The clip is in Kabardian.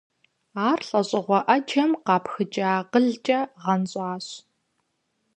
Ар лӀэщӀыгъуэ Ӏэджэм къапхыкӀа акъылкӀэ гъэнщӀащ.